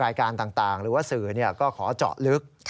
รายการต่างหรือว่าสื่อก็ขอเจาะลึก